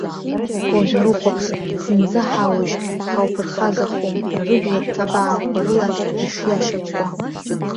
Уажә урыхәаԥш, зынӡа ҳаужь, ҳауԥырхагахом ҳәа рыбла ҭабаақәа рыла ишиашьапкуа.